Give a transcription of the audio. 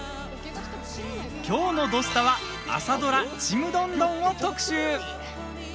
きょうの「土スタ」は朝ドラ「ちむどんどん」を特集。